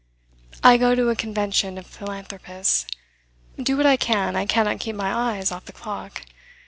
I go to a convention of philanthropists. Do what I can, I cannot keep my eyes off the clock.